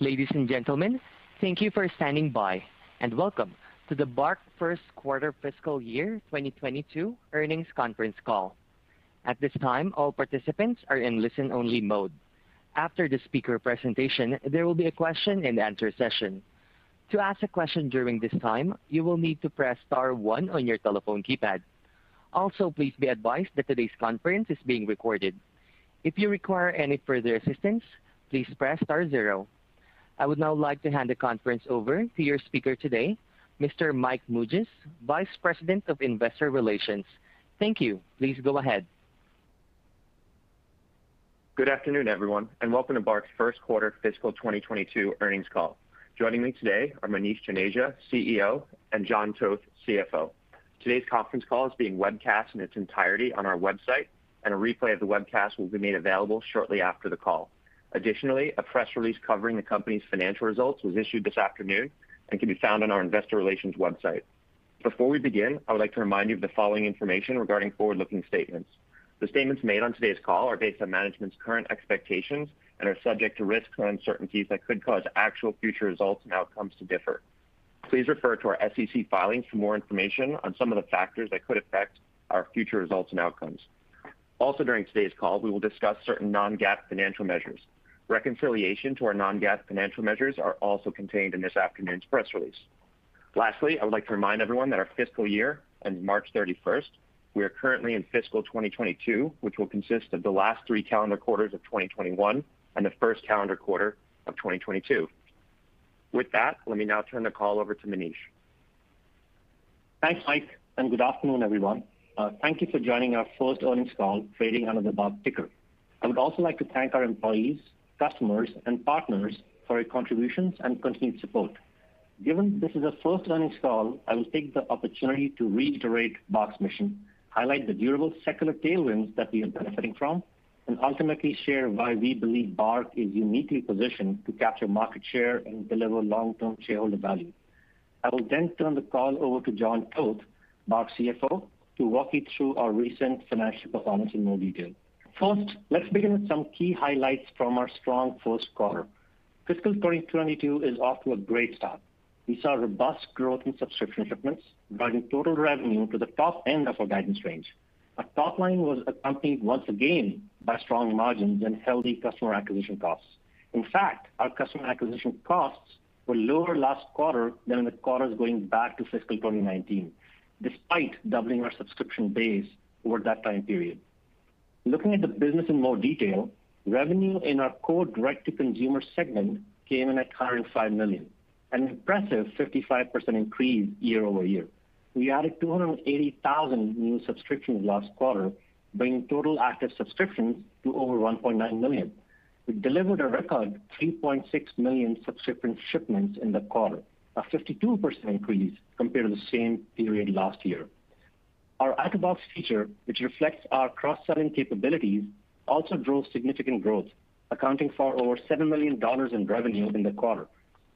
Ladies and gentlemen, thank you for standing by, and welcome to the BARK first quarter fiscal year 2022 earnings conference call. At this time, all participants are in listen-only mode. After the speaker presentation, there will be a question and answer session. To ask a question during this time, you will need to press star one on your telephone keypad. Also, please be advised that today's conference is being recorded. If you require any further assistance, please press star zero. I would now like to hand the conference over to your speaker today, Mr. Mike Mougias, Vice President of Investor Relations. Thank you. Please go ahead. Good afternoon, everyone, and welcome to BARK's first quarter fiscal 2022 earnings call. Joining me today are Manish Joneja, CEO, and John Toth, CFO. Today's conference call is being webcast in its entirety on our website, and a replay of the webcast will be made available shortly after the call. Additionally, a press release covering the company's financial results was issued this afternoon and can be found on our investor relations website. Before we begin, I would like to remind you of the following information regarding forward-looking statements. The statements made on today's call are based on management's current expectations and are subject to risks or uncertainties that could cause actual future results and outcomes to differ. Please refer to our SEC filings for more information on some of the factors that could affect our future results and outcomes. Also, during today's call, we will discuss certain non-GAAP financial measures. Reconciliation to our non-GAAP financial measures are also contained in this afternoon's press release. Lastly, I would like to remind everyone that our fiscal year ends March 31st. We are currently in fiscal 2022, which will consist of the last three calendar quarters of 2021 and the first calendar quarter of 2022. With that, let me now turn the call over to Manish. Thanks, Mike, and good afternoon, everyone. Thank you for joining our first earnings call trading under the BARK ticker. I would also like to thank our employees, customers, and partners for your contributions and continued support. Given this is our first earnings call, I will take the opportunity to reiterate BARK's mission, highlight the durable secular tailwinds that we are benefiting from, and ultimately share why we believe BARK is uniquely positioned to capture market share and deliver long-term shareholder value. I will then turn the call over to John Toth, BARK's CFO, to walk you through our recent financial performance in more detail. First, let's begin with some key highlights from our strong first quarter. Fiscal 2022 is off to a great start. We saw robust growth in subscription shipments, driving total revenue to the top end of our guidance range. Our top line was accompanied once again by strong margins and healthy customer acquisition costs. In fact, our customer acquisition costs were lower last quarter than in the quarters going back to fiscal 2019, despite doubling our subscription base over that time period. Looking at the business in more detail, revenue in our core direct-to-consumer segment came in at $105 million, an impressive 55% increase year-over-year. We added 280,000 new subscriptions last quarter, bringing total active subscriptions to over 1.9 million. We delivered a record 3.6 million subscription shipments in the quarter, a 52% increase compared to the same period last year. Our Add to Box feature, which reflects our cross-selling capabilities, also drove significant growth, accounting for over $7 million in revenue in the quarter,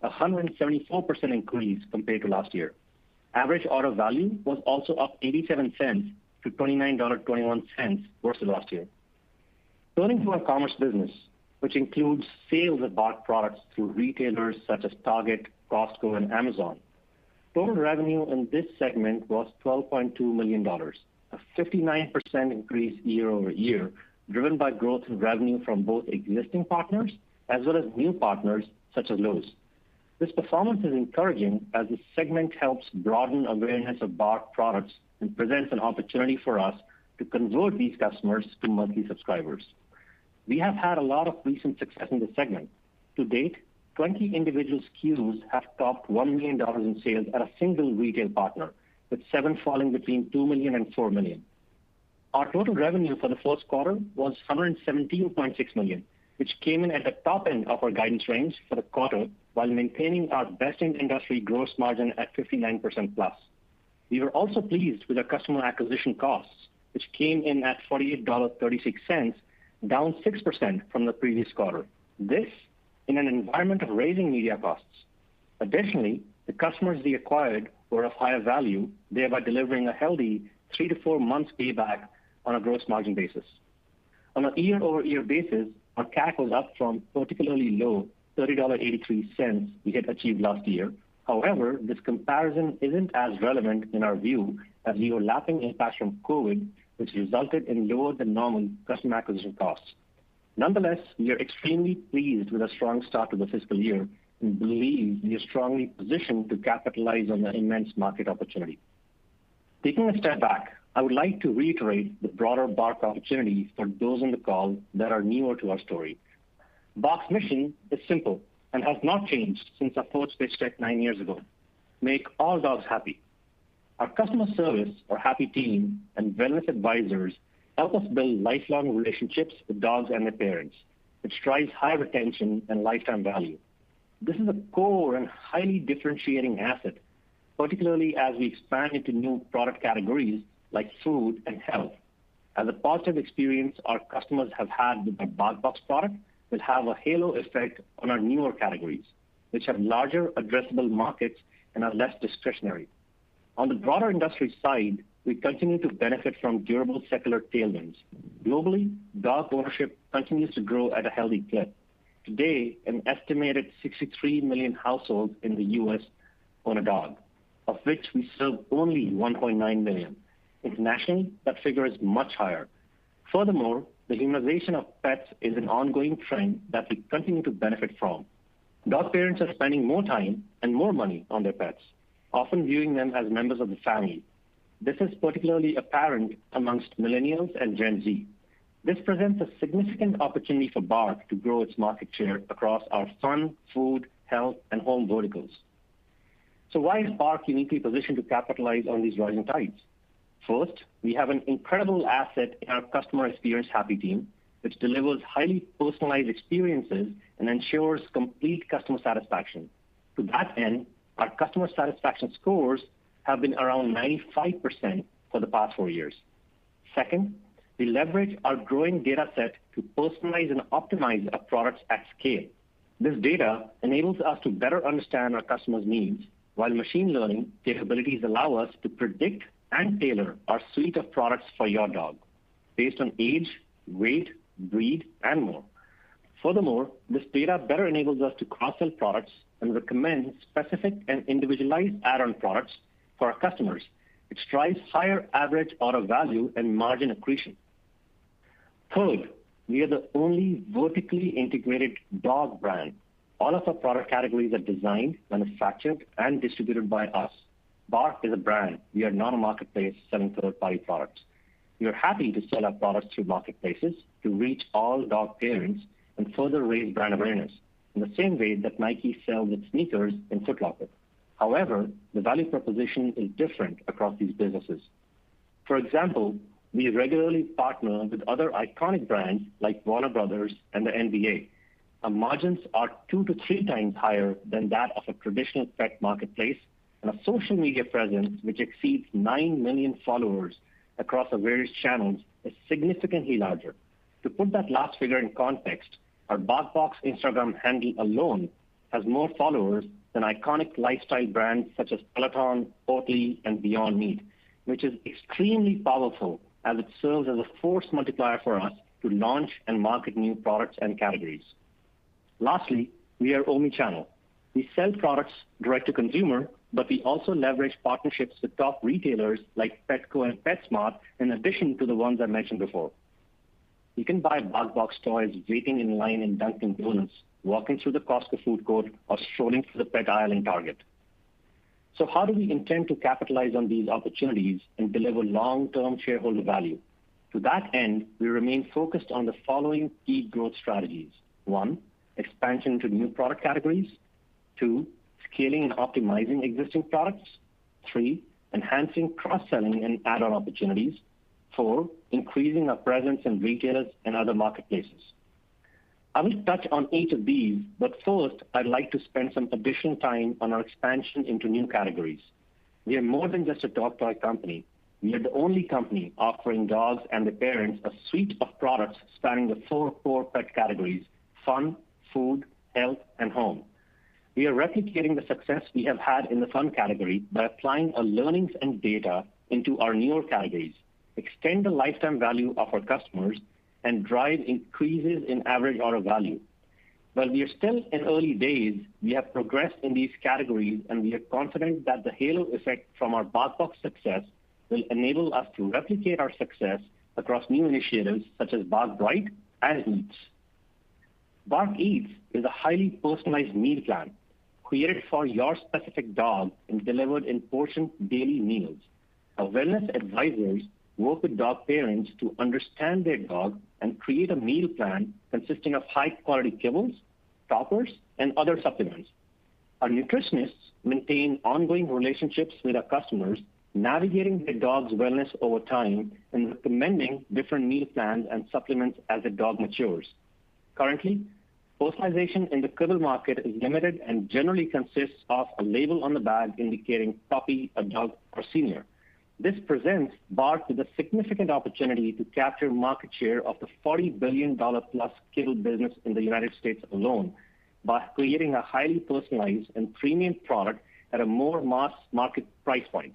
174% increase compared to last year. Average order value was also up $0.87 to $29.21 versus last year. Turning to our commerce business, which includes sales of BARK products through retailers such as Target, Costco, and Amazon. Total revenue in this segment was $12.2 million, a 59% increase year-over-year, driven by growth in revenue from both existing partners as well as new partners such as Lowe's. This performance is encouraging as this segment helps broaden awareness of BARK products and presents an opportunity for us to convert these customers to monthly subscribers. We have had a lot of recent success in this segment. To date, 20 individual SKUs have topped $1 million in sales at a single retail partner, with 7 SKUs falling between $2 million and $4 million. Our total revenue for the first quarter was $117.6 million, which came in at the top end of our guidance range for the quarter while maintaining our best-in-industry gross margin at 59% plus. We were also pleased with our customer acquisition costs, which came in at $48.36, down 6% from the previous quarter. This in an environment of raising media costs. Additionally, the customers we acquired were of higher value, thereby delivering a healthy three to four months payback on a gross margin basis. On a year-over-year basis, our CAC was up from particularly low $30.83 we had achieved last year. However, this comparison isn't as relevant in our view as we are lapping impacts from COVID, which resulted in lower than normal customer acquisition costs. Nonetheless, we are extremely pleased with the strong start to the fiscal year and believe we are strongly positioned to capitalize on the immense market opportunity. Taking a step back, I would like to reiterate the broader BARK opportunity for those on the call that are newer to our story. BARK's mission is simple and has not changed since our first pitch deck nine years ago: Make all dogs happy. Our customer service, our Happy Team, and wellness advisors help us build lifelong relationships with dogs and their parents, which drives high retention and lifetime value. This is a core and highly differentiating asset, particularly as we expand into new product categories like food and health. As a positive experience our customers have had with our BarkBox product will have a halo effect on our newer categories, which have larger addressable markets and are less discretionary. The broader industry side, we continue to benefit from durable secular tailwinds. Globally, dog ownership continues to grow at a healthy clip. Today, an estimated 63 million households in the U.S. own a dog, of which we serve only 1.9 million. Internationally, that figure is much higher. Furthermore, the humanization of pets is an ongoing trend that we continue to benefit from. Dog parents are spending more time and more money on their pets, often viewing them as members of the family. This is particularly apparent amongst millennials and Gen Z. This presents a significant opportunity for BARK to grow its market share across our fun, food, health, and Home verticals. Why is BARK uniquely positioned to capitalize on these rising tides? First, we have an incredible asset in our customer experience Happy Team, which delivers highly personalized experiences and ensures complete customer satisfaction. To that end, our customer satisfaction scores have been around 95% for the past four years. Second, we leverage our growing data set to personalize and optimize our products at scale. This data enables us to better understand our customers' needs, while machine learning capabilities allow us to predict and tailor our suite of products for your dog based on age, weight, breed, and more. This data better enables us to cross-sell products and recommend specific and individualized add-on products for our customers, which drives higher average order value and margin accretion. Third, we are the only vertically integrated dog brand. All of our product categories are designed, manufactured, and distributed by us. BARK is a brand. We are not a marketplace selling third-party products. We are happy to sell our products through marketplaces to reach all dog parents and further raise brand awareness in the same way that Nike sells its sneakers in Foot Locker. However, the value proposition is different across these businesses. For example, we regularly partner with other iconic brands like Warner Bros. and the NBA. Our margins are 2 to 3 times higher than that of a traditional pet marketplace, and our social media presence, which exceeds 9 million followers across our various channels, is significantly larger. To put that last figure in context, our BarkBox Instagram handle alone has more followers than iconic lifestyle brands such as Peloton, Oatly, and Beyond Meat, which is extremely powerful as it serves as a force multiplier for us to launch and market new products and categories. Lastly, we are omnichannel. We sell products direct-to-consumer, but we also leverage partnerships with top retailers like Petco and PetSmart, in addition to the ones I mentioned before. You can buy BarkBox toys waiting in line in Dunkin' Donuts, walking through the Costco food court, or strolling through the pet aisle in Target. How do we intend to capitalize on these opportunities and deliver long-term shareholder value? To that end, we remain focused on the following key growth strategies. One, expansion to new product categories. Two, scaling and optimizing existing products. Three, enhancing cross-selling and add-on opportunities. Four, increasing our presence in retailers and other marketplaces. I will touch on each of these, but first, I'd like to spend some additional time on our expansion into new categories. We are more than just a dog toy company. We are the only company offering dogs and their parents a suite of products spanning the four core pet categories, fun, food, health, and home. We are replicating the success we have had in the fun category by applying our learnings and data into our newer categories, extend the lifetime value of our customers, and drive increases in average order value. While we are still in early days, we have progressed in these categories, and we are confident that the halo effect from our BarkBox success will enable us to replicate our success across new initiatives such as BARK Bright and Eats. BARK Eats is a highly personalized meal plan created for your specific dog and delivered in portioned daily meals. Our wellness advisors work with dog parents to understand their dog and create a meal plan consisting of high-quality kibbles, toppers, and other supplements. Our nutritionist maintain ongoing relationships with our customers, navigating their dog's wellness over time and recommending different meal plans and supplements as the dog matures. Currently, personalization in the kibble market is limited and generally consists of a label on the bag indicating puppy, adult, or senior. This presents BARK with a significant opportunity to capture market share of the $40 billion+ kibble business in the U.S. alone by creating a highly personalized and premium product at a more mass market price point.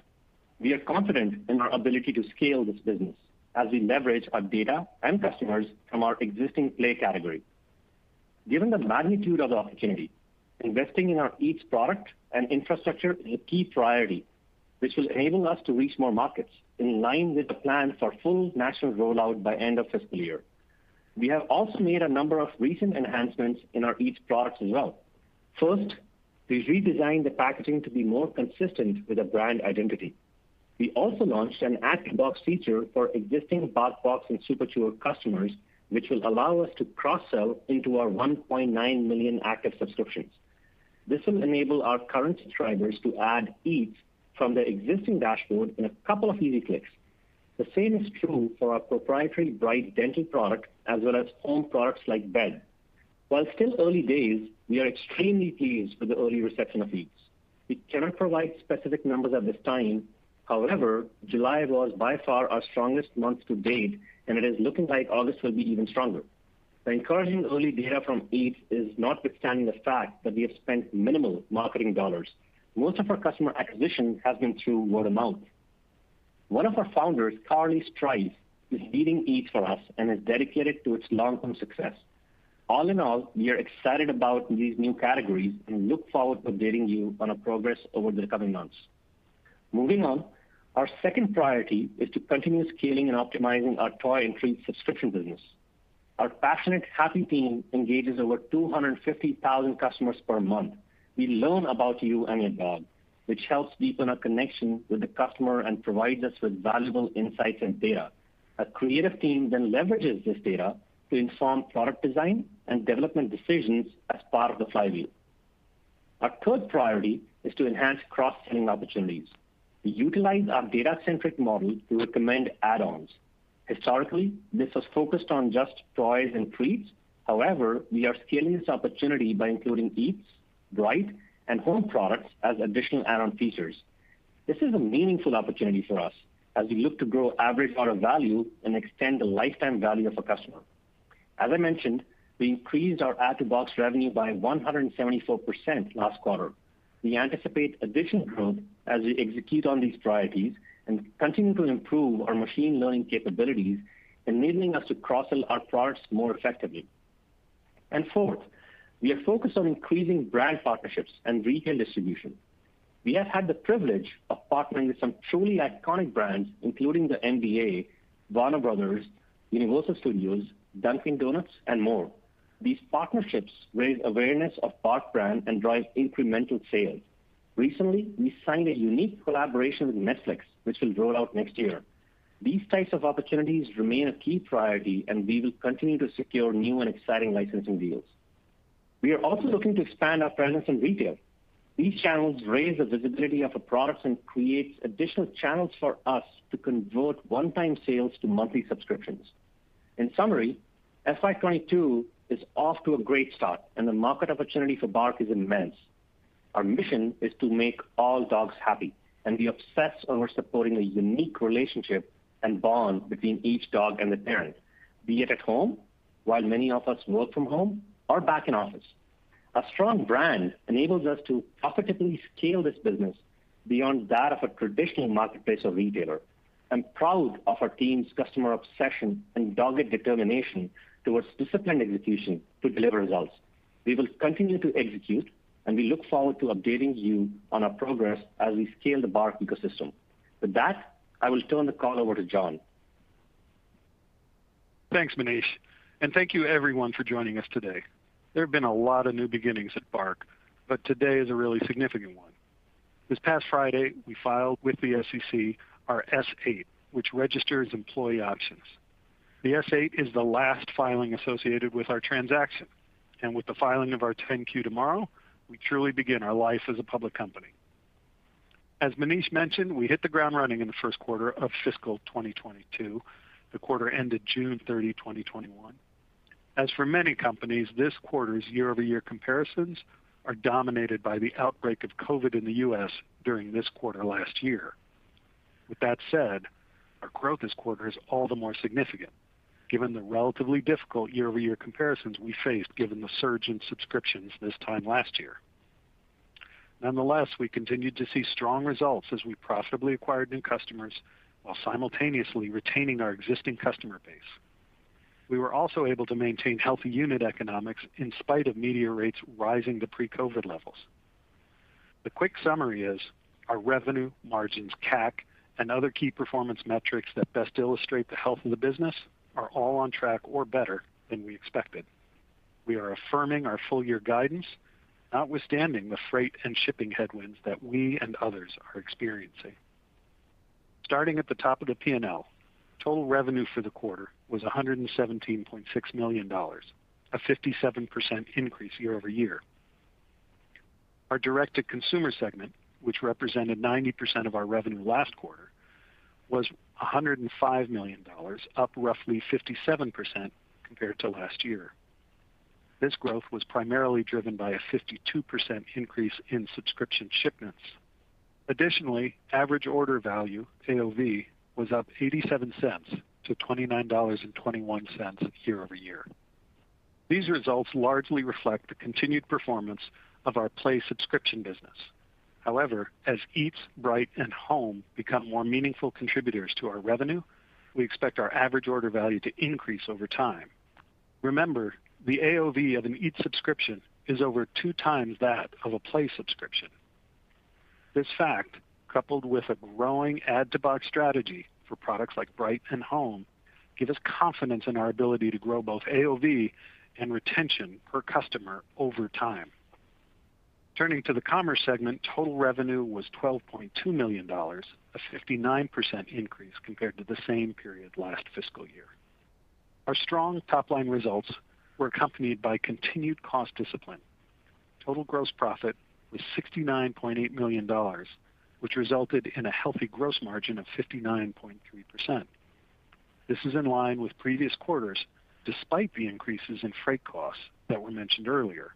We are confident in our ability to scale this business as we leverage our data and customers from our existing Play category. Given the magnitude of the opportunity, investing in our Eats product and infrastructure is a key priority, which will enable us to reach more markets in line with the plan for full national rollout by end of fiscal year. We have also made a number of recent enhancements in our Eats products as well. First, we redesigned the packaging to be more consistent with the brand identity. We also launched an Add-to-Box feature for existing BarkBox and Super Chewer customers, which will allow us to cross-sell into our 1.9 million active subscriptions. This will enable our current subscribers to add Eats from their existing dashboard in a couple of easy clicks. The same is true for our proprietary Bright dental product, as well as Home products like Bed. While still early days, we are extremely pleased with the early reception of Eats. We cannot provide specific numbers at this time. However, July was by far our strongest month to date, and it is looking like August will be even stronger. The encouraging early data from Eats is notwithstanding the fact that we have spent minimal marketing dollars. Most of our customer acquisition has been through word of mouth. One of our founders, Carly Strife, is leading Eats for us and is dedicated to its long-term success. All in all, we are excited about these new categories and look forward to updating you on our progress over the coming months. Moving on, our second priority is to continue scaling and optimizing our toy and treat subscription business. Our passionate, Happy Team engages over 250,000 customers per month. We learn about you and your dog, which helps deepen our connection with the customer and provides us with valuable insights and data. Our creative team leverages this data to inform product design and development decisions as part of the flywheel. Our third priority is to enhance cross-selling opportunities. We utilize our data-centric model to recommend add-ons. Historically, this was focused on just toys and treats. However, we are scaling this opportunity by including Eats, Bright, and Home products as additional add-on features. This is a meaningful opportunity for us as we look to grow average order value and extend the lifetime value of a customer. As I mentioned, we increased our Add-to-Box revenue by 174% last quarter. We anticipate additional growth as we execute on these priorities and continue to improve our machine learning capabilities, enabling us to cross-sell our products more effectively. Fourth, we are focused on increasing brand partnerships and retail distribution. We have had the privilege of partnering with some truly iconic brands, including the NBA, Warner Brothers, Universal Studios, Dunkin' Donuts, and more. These partnerships raise awareness of BARK brand and drive incremental sales. Recently, we signed a unique collaboration with Netflix, which will roll out next year. These types of opportunities remain a key priority, and we will continue to secure new and exciting licensing deals. We are also looking to expand our presence in retail. These channels raise the visibility of our products and create additional channels for us to convert one-time sales to monthly subscriptions. In summary, FY22 is off to a great start, and the market opportunity for BARK is immense. Our mission is to make all dogs happy and be obsessed over supporting a unique relationship and bond between each dog and the parent, be it at home, while many of us work from home, or back in office. A strong brand enables us to profitably scale this business beyond that of a traditional marketplace or retailer. I'm proud of our team's customer obsession and dogged determination towards disciplined execution to deliver results. We will continue to execute, and we look forward to updating you on our progress as we scale the BARK ecosystem. With that, I will turn the call over to John. Thanks, Manish, and thank you everyone for joining us today. There have been a lot of new beginnings at BARK, but today is a really significant one. This past Friday, we filed with the SEC our S-8, which registers employee options. The S-8 is the last filing associated with our transaction, and with the filing of our 10-Q tomorrow, we truly begin our life as a public company. As Manish mentioned, we hit the ground running in the first quarter of fiscal 2022. The quarter ended June 30, 2021. As for many companies, this quarter's year-over-year comparisons are dominated by the outbreak of COVID in the U.S. during this quarter last year. With that said, our growth this quarter is all the more significant given the relatively difficult year-over-year comparisons we faced given the surge in subscriptions this time last year. Nonetheless, we continued to see strong results as we profitably acquired new customers while simultaneously retaining our existing customer base. We were also able to maintain healthy unit economics in spite of media rates rising to pre-COVID levels. The quick summary is our revenue margins, CAC, and other key performance metrics that best illustrate the health of the business are all on track or better than we expected. We are affirming our full-year guidance, notwithstanding the freight and shipping headwinds that we and others are experiencing. Starting at the top of the P&L, total revenue for the quarter was $117.6 million, a 57% increase year-over-year. Our direct-to-consumer segment, which represented 90% of our revenue last quarter, was $105 million, up roughly 57% compared to last year. This growth was primarily driven by a 52% increase in subscription shipments. Additionally, average order value, AOV, was up $0.87 to $29.21 year-over-year. These results largely reflect the continued performance of our Play subscription business. However, as Eats, Bright, and Home become more meaningful contributors to our revenue, we expect our average order value to increase over time. Remember, the AOV of an Eats subscription is over 2x that of a Play subscription. This fact, coupled with a growing Add-to-Box strategy for products like Bright and Home, give us confidence in our ability to grow both AOV and retention per customer over time. Turning to the Commerce segment, total revenue was $12.2 million, a 59% increase compared to the same period last fiscal year. Our strong top-line results were accompanied by continued cost discipline. Total gross profit was $69.8 million, which resulted in a healthy gross margin of 59.3%. This is in line with previous quarters, despite the increases in freight costs that were mentioned earlier.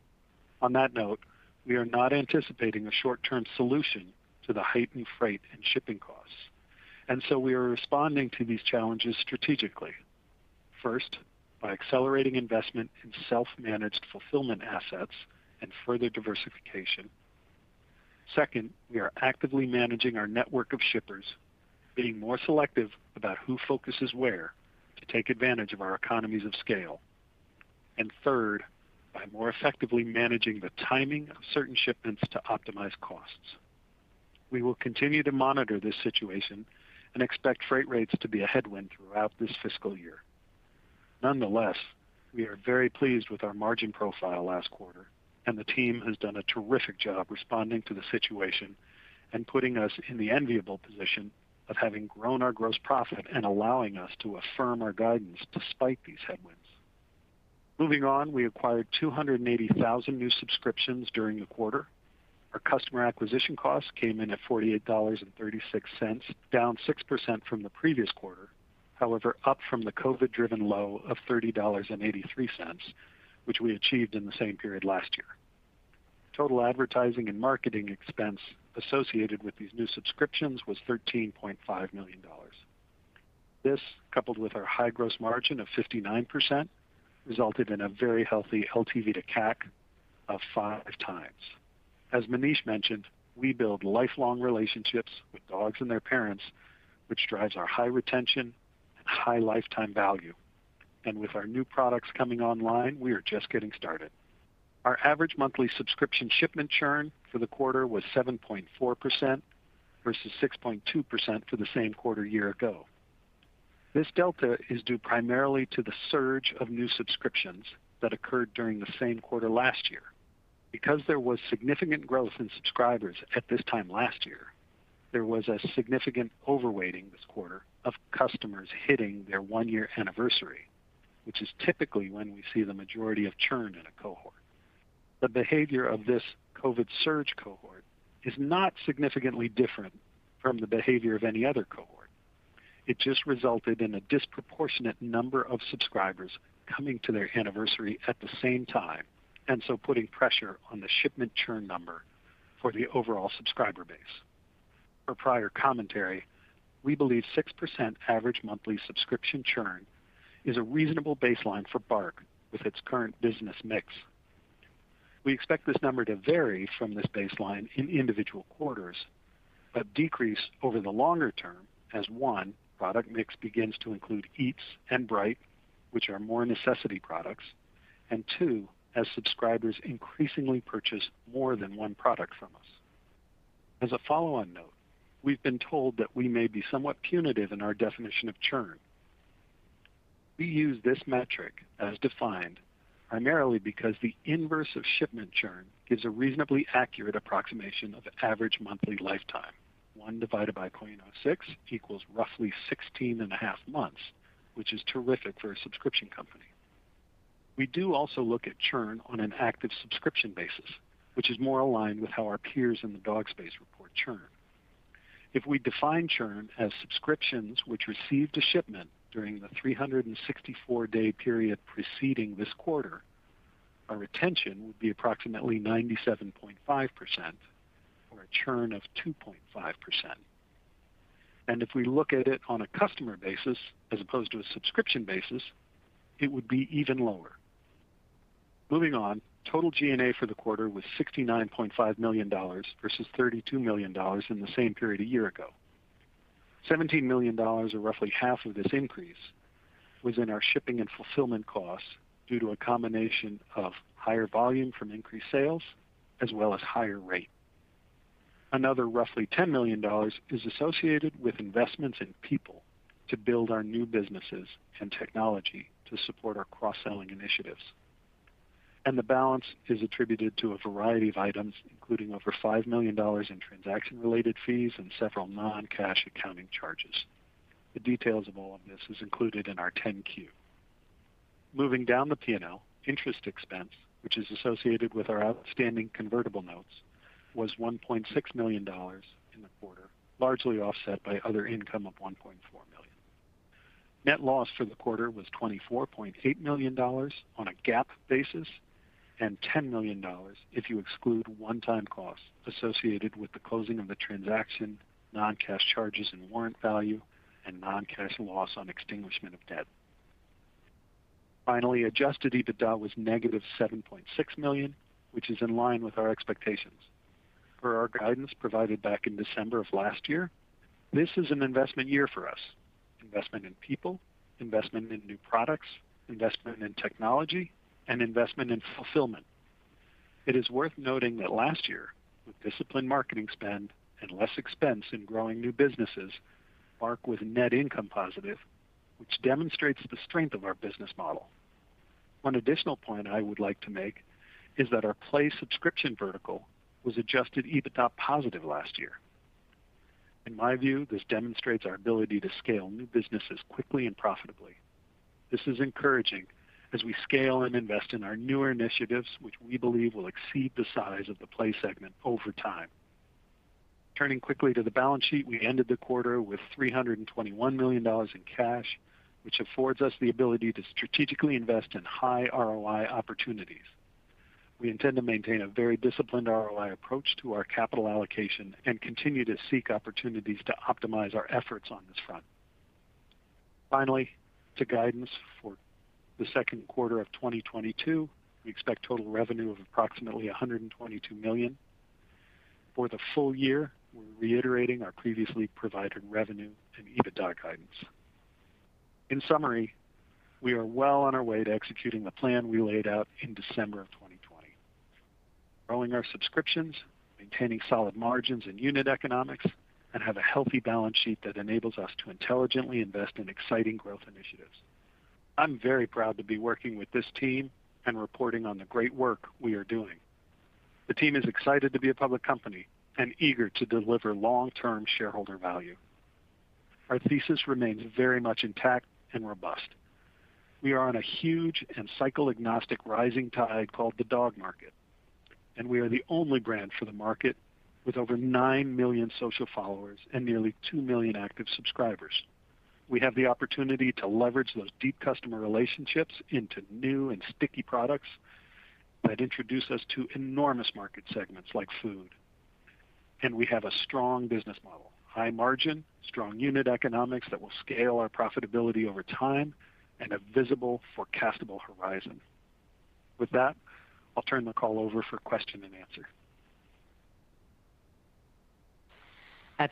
On that note, we are not anticipating a short-term solution to the heightened freight and shipping costs. We are responding to these challenges strategically. First, by accelerating investment in self-managed fulfillment assets and further diversification. Second, we are actively managing our network of shippers, being more selective about who focuses where to take advantage of our economies of scale. Third, by more effectively managing the timing of certain shipments to optimize costs. We will continue to monitor this situation and expect freight rates to be a headwind throughout this fiscal year. Nonetheless, we are very pleased with our margin profile last quarter, and the team has done a terrific job responding to the situation and putting us in the enviable position of having grown our gross profit and allowing us to affirm our guidance despite these headwinds. Moving on, we acquired 280,000 new subscriptions during the quarter. Our customer acquisition cost came in at $48.36, down 6% from the previous quarter, however, up from the COVID-driven low of $30.83, which we achieved in the same period last year. Total advertising and marketing expense associated with these new subscriptions was $13.5 million. This, coupled with our high gross margin of 59%, resulted in a very healthy LTV to CAC of 5x. As Manish mentioned, we build lifelong relationships with dogs and their parents, which drives our high retention and high lifetime value. With our new products coming online, we are just getting started. Our average monthly subscription shipment churn for the quarter was 7.4% versus 6.2% for the same quarter a year ago. This delta is due primarily to the surge of new subscriptions that occurred during the same quarter last year. Because there was significant growth in subscribers at this time last year, there was a significant overweighting this quarter of customers hitting their one-year anniversary, which is typically when we see the majority of churn in a cohort. The behavior of this COVID surge cohort is not significantly different from the behavior of any other cohort. It just resulted in a disproportionate number of subscribers coming to their anniversary at the same time, putting pressure on the shipment churn number for the overall subscriber base. Per prior commentary, we believe 6% average monthly subscription churn is a reasonable baseline for BARK with its current business mix. We expect this number to vary from this baseline in individual quarters, but decrease over the longer term as one, product mix begins to include Eats and Bright, which are more necessity products, and two, as subscribers increasingly purchase more than one product from us. As a follow-on note, we've been told that we may be somewhat punitive in our definition of churn. We use this metric as defined primarily because the inverse of shipment churn gives a reasonably accurate approximation of average monthly lifetime: 1 ÷ 0.06 = 16.5 months, which is terrific for a subscription company. We do also look at churn on an active subscription basis, which is more aligned with how our peers in the dog space report churn. If we define churn as subscriptions which received a shipment during the 364-day period preceding this quarter, our retention would be approximately 97.5%, or a churn of 2.5%. If we look at it on a customer basis as opposed to a subscription basis, it would be even lower. Moving on, total G&A for the quarter was $69.5 million, versus $32 million in the same period a year ago. $17 million, or roughly half of this increase, was in our shipping and fulfillment costs due to a combination of higher volume from increased sales as well as higher rate. Another roughly $10 million is associated with investments in people to build our new businesses and technology to support our cross-selling initiatives. The balance is attributed to a variety of items, including over $5 million in transaction-related fees and several non-cash accounting charges. The details of all of this is included in our 10-Q. Moving down the P&L, interest expense, which is associated with our outstanding convertible notes, was $1.6 million in the quarter, largely offset by other income of $1.4 million. Net loss for the quarter was $24.8 million on a GAAP basis and $10 million if you exclude one-time costs associated with the closing of the transaction, non-cash charges and warrant value, and non-cash loss on extinguishment of debt. Finally, adjusted EBITDA was -$7.6 million, which is in line with our expectations. Per our guidance provided back in December of last year, this is an investment year for us. Investment in people, investment in new products, investment in technology, and investment in fulfillment. It is worth noting that last year, with disciplined marketing spend and less expense in growing new businesses, BARK was net income positive, which demonstrates the strength of our business model. One additional point I would like to make is that our Play subscription vertical was adjusted EBITDA positive last year. In my view, this demonstrates our ability to scale new businesses quickly and profitably. This is encouraging as we scale and invest in our newer initiatives, which we believe will exceed the size of the Play segment over time. Turning quickly to the balance sheet, we ended the quarter with $321 million in cash, which affords us the ability to strategically invest in high ROI opportunities. We intend to maintain a very disciplined ROI approach to our capital allocation and continue to seek opportunities to optimize our efforts on this front. Finally, to guidance for the second quarter of 2022. We expect total revenue of approximately $122 million. For the full year, we're reiterating our previously provided revenue and EBITDA guidance. In summary, we are well on our way to executing the plan we laid out in December of 2020, growing our subscriptions, maintaining solid margins and unit economics, and have a healthy balance sheet that enables us to intelligently invest in exciting growth initiatives. I'm very proud to be working with this team and reporting on the great work we are doing. The team is excited to be a public company and eager to deliver long-term shareholder value. Our thesis remains very much intact and robust. We are on a huge and cycle-agnostic rising tide called the dog market, and we are the only brand for the market with over 9 million social followers and nearly 2 million active subscribers. We have the opportunity to leverage those deep customer relationships into new and sticky products that introduce us to enormous market segments like food. We have a strong business model, high margin, strong unit economics that will scale our profitability over time, and a visible forecastable horizon. With that, I'll turn the call over for question and answer. We'll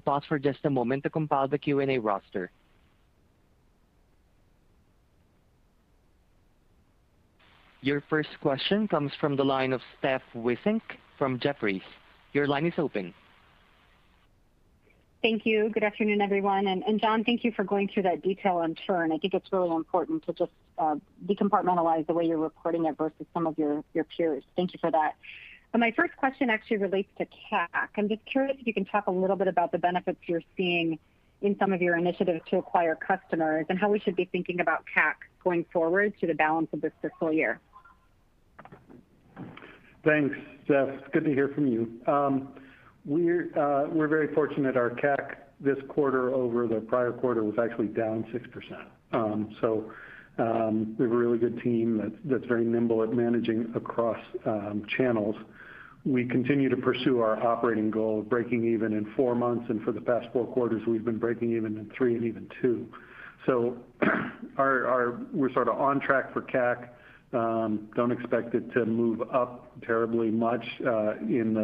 pause for just a moment to compile the Q&A roster. Your first question comes from the line of Steph Wissink from Jefferies. Your line is open. Thank you. Good afternoon, everyone. John, thank you for going through that detail on churn. I think it's really important to just decompartmentalize the way you're reporting it versus some of your peers. Thank you for that. My first question actually relates to CAC. I'm just curious if you can talk a little bit about the benefits you're seeing in some of your initiatives to acquire customers, and how we should be thinking about CAC going forward to the balance of this fiscal year? Thanks, Steph. It's good to hear from you. We're very fortunate our CAC this quarter-over-quarter was actually down 6%. We have a really good team that's very nimble at managing across channels. We continue to pursue our operating goal of breaking even in four months, and for the past four quarters, we've been breaking even in three and even two months. We're sort of on track for CAC. Don't expect it to move up terribly much in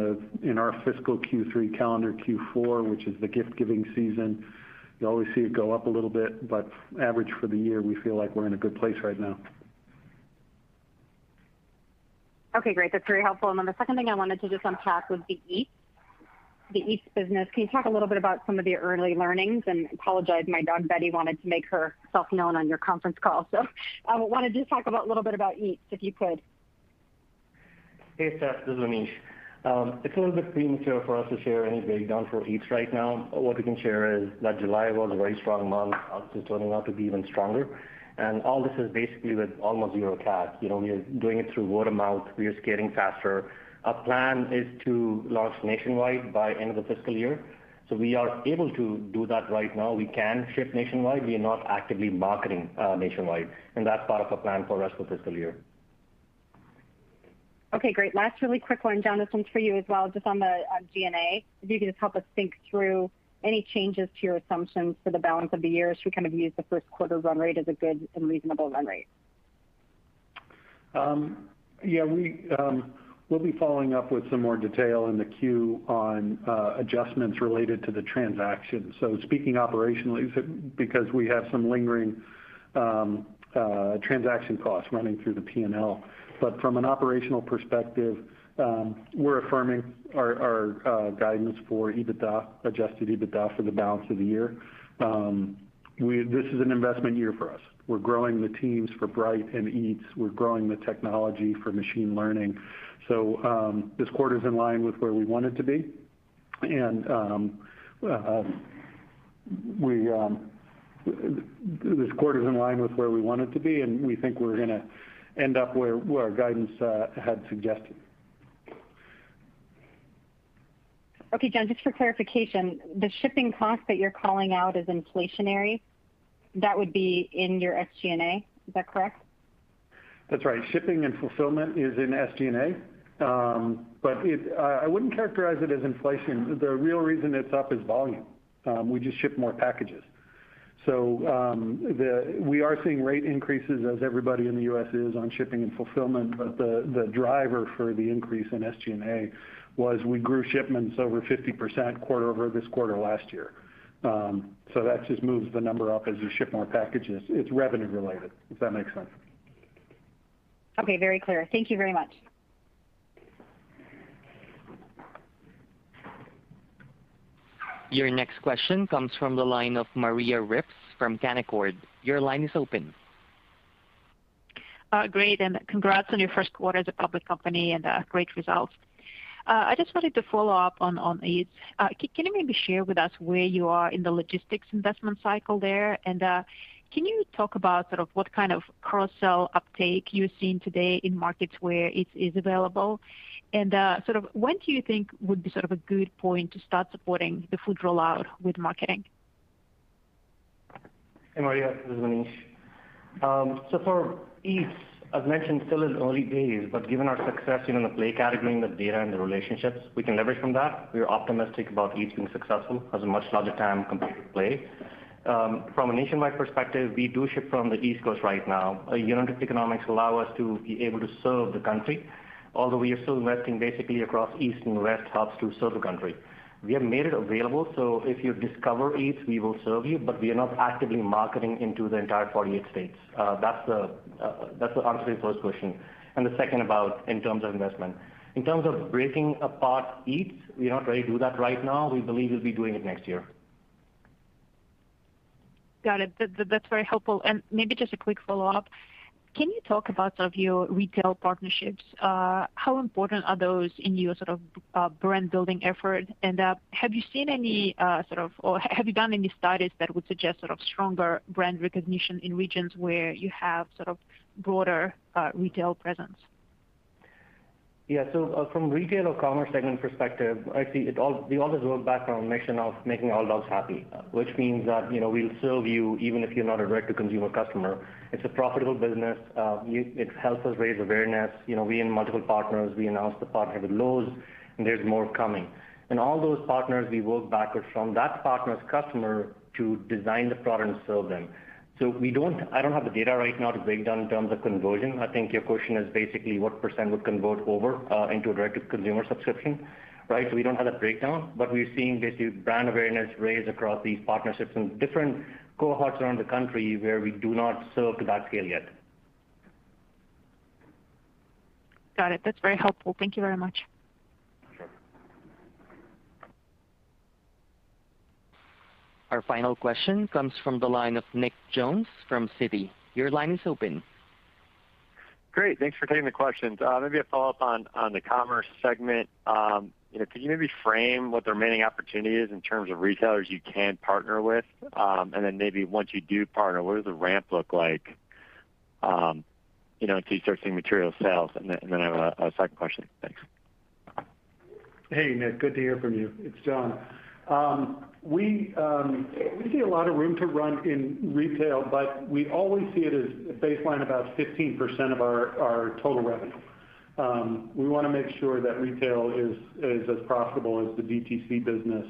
our fiscal Q3, calendar Q4, which is the gift-giving season. You always see it go up a little bit, but average for the year, we feel like we're in a good place right now. Okay, great. That's very helpful. The second thing I wanted to just unpack was the Eats business. Can you talk a little bit about some of the early learnings? Apologize, my dog Betty wanted to make herself known on your conference call. Wanted to talk a little bit about Eats, if you could. Hey, Steph. This is Manish. It's a little bit premature for us to share any breakdown for Eats right now. What we can share is that July was a very strong month, August is turning out to be even stronger. All this is basically with almost 0 CAC. We are doing it through word of mouth. We are scaling faster. Our plan is to launch nationwide by end of the fiscal year. We are able to do that right now. We can ship nationwide. We are not actively marketing nationwide. That's part of our plan for rest of fiscal year. Okay, great. Last really quick one, John, this one's for you as well, just on the SG&A. If you could just help us think through any changes to your assumptions for the balance of the year. Should we kind of use the first quarter run rate as a good and reasonable run rate? Yeah. We'll be following up with some more detail in the 10-Q on adjustments related to the transaction. Speaking operationally, because we have some lingering transaction costs running through the P&L. From an operational perspective, we're affirming our guidance for adjusted EBITDA for the balance of the year. This is an investment year for us. We're growing the teams for Bright and Eats. We're growing the technology for machine learning. This quarter's in line with where we want it to be, and we think we're going to end up where our guidance had suggested. Okay. John, just for clarification, the shipping cost that you're calling out as inflationary, that would be in your SG&A. Is that correct? That's right. Shipping and fulfillment is in SG&A. I wouldn't characterize it as inflation. The real reason it's up is volume. We just ship more packages. We are seeing rate increases as everybody in the U.S. is on shipping and fulfillment, but the driver for the increase in SG&A was we grew shipments over 50% quarter over this quarter last year. That just moves the number up as you ship more packages. It's revenue related, if that makes sense. Okay. Very clear. Thank you very much. Your next question comes from the line of Maria Ripps from Canaccord. Your line is open. Great, congrats on your first quarter as a public company, and great results. I just wanted to follow up on Eats. Can you maybe share with us where you are in the logistics investment cycle there? Can you talk about sort of what kind of cross-sell uptake you're seeing today in markets where Eats is available? When do you think would be sort of a good point to start supporting the food rollout with marketing? Hey, Maria, this is Manish. For Eats, as mentioned, still is early days, but given our success in the Play category and the data and the relationships we can leverage from that, we are optimistic about Eats being successful as a much larger TAM compared to Play. From a nationwide perspective, we do ship from the East Coast right now. Unit economics allow us to be able to serve the country, although we are still investing basically across East and West hubs to serve the country. We have made it available, so if you discover Eats, we will serve you, but we are not actively marketing into the entire 48 states. That's the answer to your first question, and the second about in terms of investment. In terms of breaking apart Eats, we are not ready to do that right now. We believe we'll be doing it next year. Got it. That's very helpful. Maybe just a quick follow-up. Can you talk about some of your retail partnerships? How important are those in your brand-building effort? Have you done any studies that would suggest stronger brand recognition in regions where you have broader retail presence? From retail or commerce segment perspective, we always roll back our mission of making all dogs happy, which means that we'll serve you even if you're not a direct-to-consumer customer. It's a profitable business. It helps us raise awareness. We have multiple partners. We announced the partner with Lowe's, and there's more coming. All those partners, we work backwards from that partner's customer to design the product and serve them. I don't have the data right now to break down in terms of conversion. I think your question is basically what % would convert over into a direct-to-consumer subscription, right? We don't have that breakdown, but we're seeing basically brand awareness raise across these partnerships in different cohorts around the country where we do not serve to that scale yet. Got it. That's very helpful. Thank you very much. Our final question comes from the line of Nick Jones from Citi. Your line is open. Great, thanks for taking the questions. Maybe a follow-up on the commerce segment. Can you maybe frame what the remaining opportunity is in terms of retailers you can partner with? Maybe once you do partner, what does the ramp look like until you start seeing material sales? I have a second question. Thanks. Hey, Nick, good to hear from you. It's John. We see a lot of room to run in retail, but we always see it as a baseline about 15% of our total revenue. We want to make sure that retail is as profitable as the DTC business.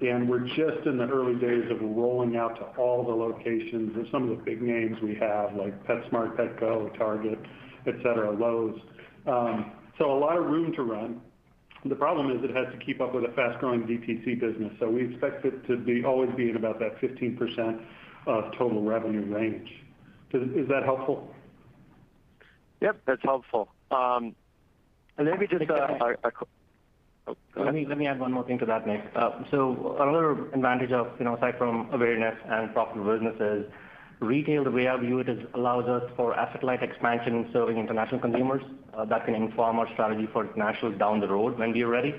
We're just in the early days of rolling out to all the locations with some of the big names we have, like PetSmart, Petco, Target, et cetera, Lowe's. A lot of room to run. The problem is it has to keep up with a fast-growing DTC business. We expect it to always be at about that 15% of total revenue range. Is that helpful? Yep, that's helpful. Let me add one more thing to that, Nick. Another advantage of, aside from awareness and profitable businesses, retail, the way I view it, is allows us for asset-light expansion in serving international consumers. That can inform our strategy for international down the road when we are ready.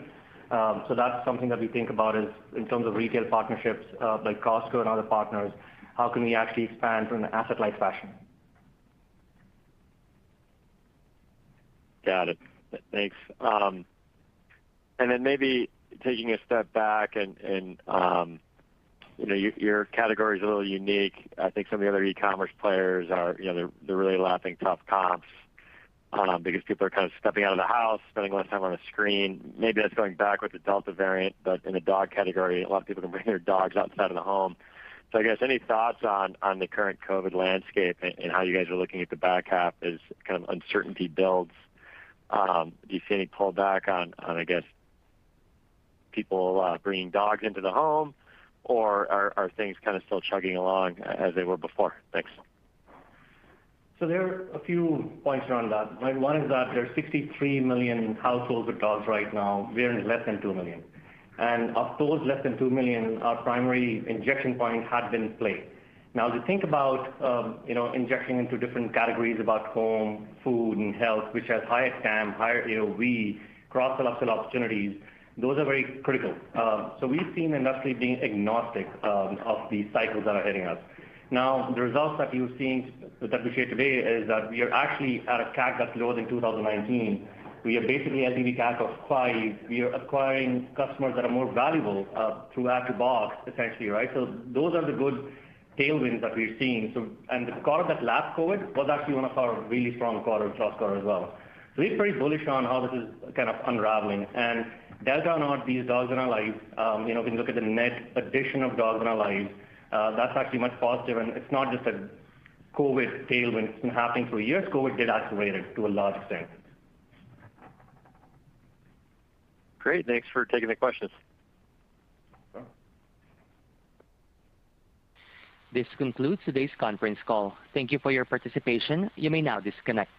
That's something that we think about is in terms of retail partnerships like Costco and other partners, how can we actually expand from an asset-light fashion? Got it. Thanks. Then maybe taking a step back and, your category's a little unique. I think some of the other e-commerce players are, they're really lapping tough comps, because people are kind of stepping out of the house, spending less time on a screen. Maybe that's going back with the Delta variant, but in the dog category, a lot of people can bring their dogs outside of the home. I guess any thoughts on the current COVID landscape and how you guys are looking at the back half as kind of uncertainty builds? Do you see any pullback on, I guess, people bringing dogs into the home? Are things kind of still chugging along as they were before? Thanks. There are a few points around that, right? One is that there are 63 million households with dogs right now. We are in less than 2 million. Of those less than 2 million, our primary injection point had been Play. To think about injecting into different categories about Home, food, and health, which has higher TAM, higher AOV, cross-sell upsell opportunities, those are very critical. We've seen industrially being agnostic of these cycles that are hitting us. The results that you're seeing that we shared today is that we are actually at a CAC that's lower than 2019. We are basically LTV CAC of 5. We are acquiring customers that are more valuable through Add-to-Box, essentially, right? Those are the good tailwinds that we're seeing. The quarter that lapped COVID was actually one of our really strong quarters last quarter as well. We're pretty bullish on how this is kind of unraveling. Delta or not, these dogs in our lives, when you look at the net addition of dogs in our lives, that's actually much positive. It's not just a COVID tailwind. It's been happening for years. COVID did accelerate it to a large extent. Great. Thanks for taking the questions. This concludes today's conference call. Thank you for your participation. You may now disconnect.